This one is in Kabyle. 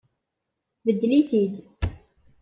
Beddel-it-id.